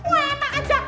wah enak aja